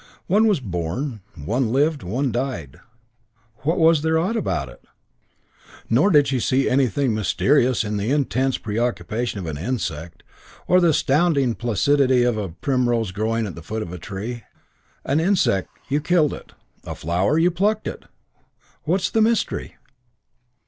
One was born, one lived, one died. What was there odd about it? Nor did she see anything mysterious in the intense preoccupation of an insect, or the astounding placidity of a primrose growing at the foot of a tree. An insect you killed it. A flower you plucked it. What's the mystery?